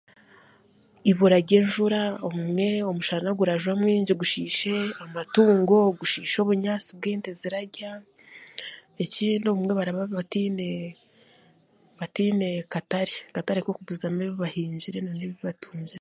Eibura ry'enjura obumwe omushana gurajwa mwingi gushiishe amatungo gushiishe obunyaasi obu ente zirarya ekindi obumwe barababataine bataine katare akatare k'okugurizamu ebi bahingire n'ebibatungire